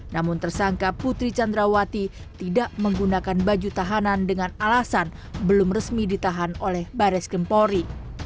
namun tersangka putri candrawati tidak menggunakan baju tahanan dengan alasan belum resmi ditahan oleh baris kempori